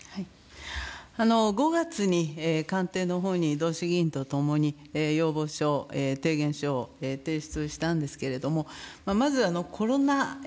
５月に官邸のほうに、同志議員と共に要望書、提言書を提出したんですけれども、まず、コロナ禍